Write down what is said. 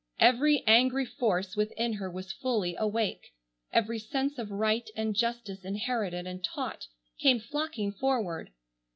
Every angry force within her was fully awake. Every sense of right and justice inherited and taught came flocking forward.